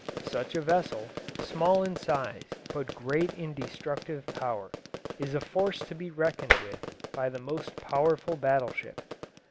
Such a vessel, small in size but great in destructive power, is a force to be reckoned with by the most powerful battle ship.